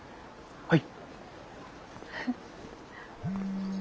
はい？